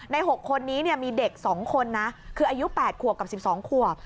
๖คนนี้มีเด็ก๒คนนะคืออายุ๘ขวบกับ๑๒ขวบ